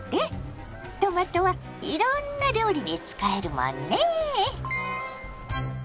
トマトはいろんな料理に使えるもんね。